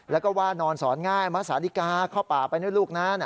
แล้วก็ว่านอนสอนง่ายมาสาธิกาเข้าป่าไปด้วยลูกนะ